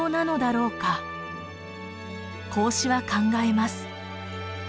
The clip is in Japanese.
孔子は考えます。